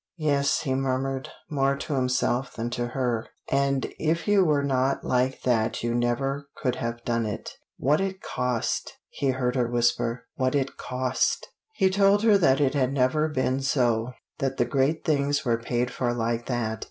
"Yes," he murmured, more to himself than to her, "and if you were not like that you never could have done it." "What it cost!" he heard her whisper. "What it cost!" He told her that it had ever been so. That the great things were paid for like that.